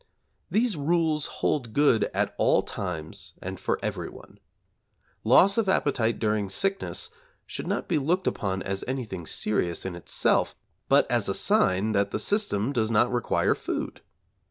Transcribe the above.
These rules hold good at all times and for everyone. Loss of appetite during sickness should not be looked upon as anything serious in itself, but as a sign that the system does not require food.